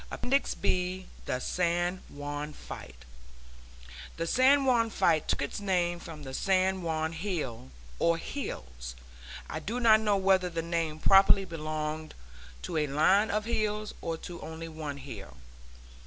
APPENDIX B THE SAN JUAN FIGHT The San Juan fight took its name from the San Juan Hill or hills I do not know whether the name properly belonged to a line of hills or to only one hill.